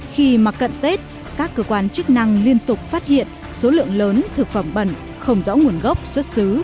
khi mà cận tết các cơ quan chức năng liên tục phát hiện số lượng lớn thực phẩm bẩn không rõ nguồn gốc xuất xứ